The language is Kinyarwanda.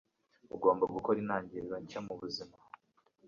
Ugomba gukora intangiriro nshya mubuzima.